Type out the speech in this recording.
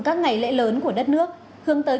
các ngày lễ lớn của đất nước hướng tới